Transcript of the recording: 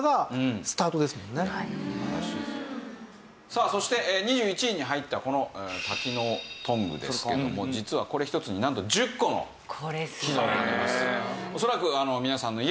さあそして２１位に入ったこの多機能トングですけども実はこれ一つになんと１０個の機能があります。